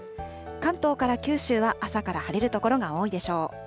関東から九州は朝から晴れる所が多いでしょう。